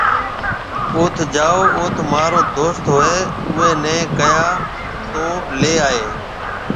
اوٿ جاو اوٿ مهآرو دوست هوئي اُوئي نَي ڪهيا تو ليَ آئي۔